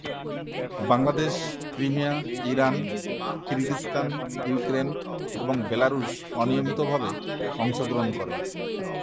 Bangladesh, Crimea, Iran, Kyrgyzstan, Ukraine এবং Belarus অনিয়মিতভাবে অংশগ্রহণ করে।